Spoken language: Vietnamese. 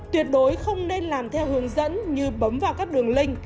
tuyệt đối không nên làm theo hướng dẫn như bấm vào các đường link